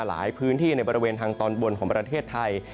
หลายพื้นที่ในบริเวณทางตอนบนของประเทศไทย